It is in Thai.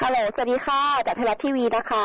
สวัสดีค่ะจากไทยรัฐทีวีนะคะ